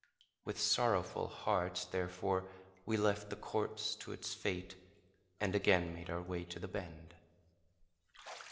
With sorrowful hearts, therefore, we left the corpse to its fate, and again made our way to the bend.